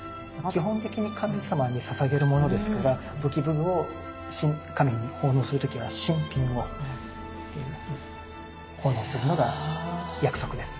基本的に神様にささげるものですから武器武具を神に奉納する時は新品を奉納するのが約束です。